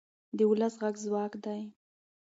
د ولس غږ ځواک دی